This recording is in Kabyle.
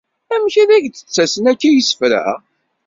Amek i ak-d-ttasen akka yisefra?